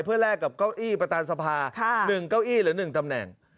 เพื่อแลกกับเก้าอี้ประธานสภา๑เก้าอี้หรือ๑ตำแหน่ง